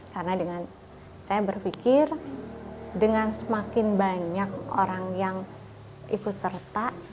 karena dengan saya berpikir dengan semakin banyak orang yang ikut serta